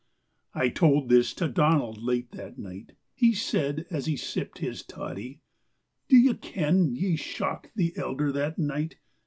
'" I told this to Donald late that night; He said, as he sipped his toddy, "Do ye ken ye shocked the elder the night?